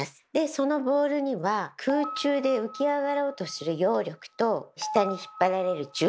そのボールには空中で浮き上がろうとする「揚力」と下に引っ張られる「重力」